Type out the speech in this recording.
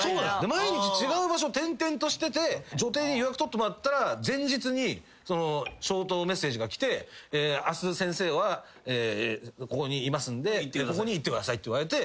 毎日違う場所転々としてて女帝に予約取ってもらったら前日にショートメッセージが来て明日先生はここにいますんでここに行ってくださいって言われて。